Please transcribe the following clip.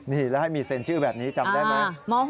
นี่แล้วให้มีเซ็นชื่อแบบนี้จำได้ไหม